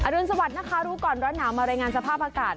รุนสวัสดิ์นะคะรู้ก่อนร้อนหนาวมารายงานสภาพอากาศ